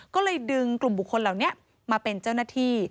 ก็เลยดึงกลุ่มบุคคลเหล่านี้มาเป็นเจ้าหน้าที่